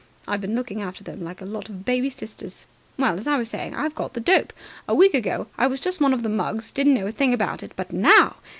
I've been looking after them like a lot of baby sisters. Well, as I was saying, I've got the dope. A week ago I was just one of the mugs didn't know a thing about it but now!